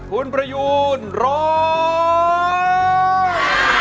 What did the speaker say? ลุงประโยนร้อง